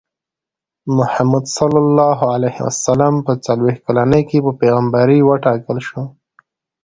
محمد ص په څلوېښت کلنۍ کې په پیغمبرۍ وټاکل شو.